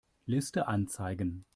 Liste anzeigen.